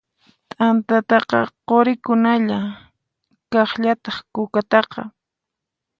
T'antataqa qurinakunalla, kaqllataq kukataqa.